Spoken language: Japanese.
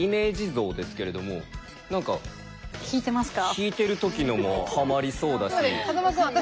引いてる時のもハマりそうだし。